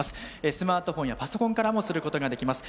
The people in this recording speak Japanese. スマートフォンやパソコンからもすることができます。